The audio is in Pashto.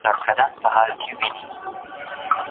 که موږ په پښتو پوه شو، نو خبرو کې غلطۍ نه وي.